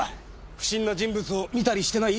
不審な人物を見たりしてない？